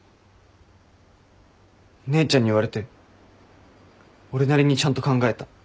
姉ちゃんに言われて俺なりにちゃんと考えた。